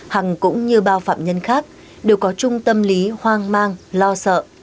hằng cũng như bao phạm nhân khác đều có trung tâm lý hoang mang lo sợ